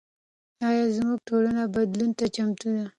ایا زموږ ټولنه بدلون ته چمتو ده؟